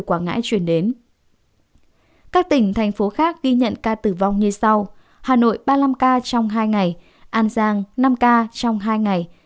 an giang năm ca trong hai ngày